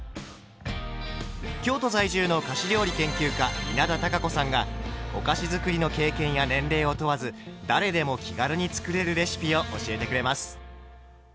京都在住の菓子料理研究家稲田多佳子さんがお菓子づくりの経験や年齢を問わず誰でも気軽に作れるレシピを教えてくれます。